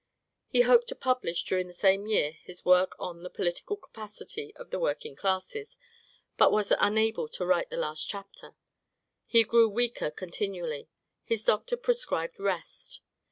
He hoped to publish during the same year his work on "The Political Capacity of the Working Classes," but was unable to write the last chapter.... He grew weaker continually. His doctor prescribed rest.